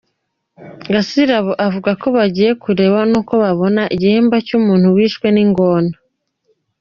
Gasirabo avuga ko bagiye kureba nuko babona igihimba cy’umuntu wishwe n’ingona.